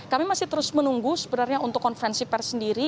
kami masih terus menunggu sebenarnya untuk konferensi pers sendiri